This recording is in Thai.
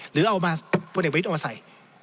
หรือเอามาพลเอกวิทย์เอามาใส่